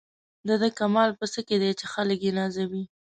د ده کمال په څه کې دی چې خلک یې نازوي.